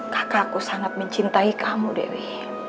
kakakku sangat mencintai kamu dewi